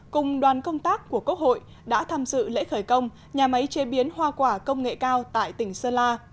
cùng đoàn công tác của quốc hội đã tham dự lễ khởi công nhà máy chế biến hoa quả công nghệ cao tại tỉnh sơn la